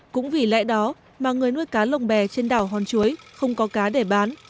cũng vì lẽ đó mà người nuôi cá lồng bè trên đảo hòn chuối không có cá để bán